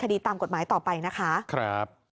พ่อบอกว่าจริงแล้วก็เป็นยาดกันด้วย